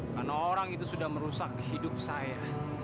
karena orang itu sudah merusak hidup saya